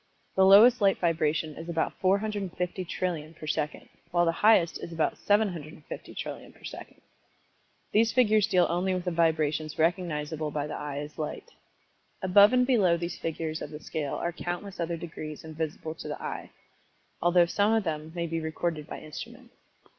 The lowest light vibration is about 450,000,000,000,000 per second, while the highest is about 750,000,000,000,000 per second. These figures deal only with the vibrations recognizable by the eye as light. Above and below these figures of the scale are countless other degrees invisible to the eye, although some of them may be recorded by instruments.